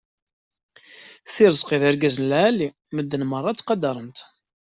Si Rezqi d argaz n lɛali medden merra ttqadaren-t.